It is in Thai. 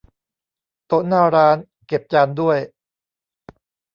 โต๊ะหน้าร้าน เก็บจานด้วย